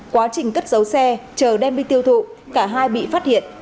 quá trình cất dấu xe chờ đem đi tiêu thụ cả hai bị phát hiện